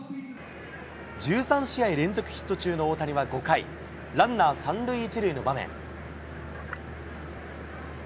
１３試合連続ヒット中の大谷は５回、ランナー３塁１塁の場面。